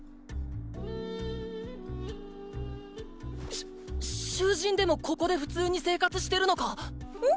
しゅ囚人でもここで普通に生活してるのか⁉ん？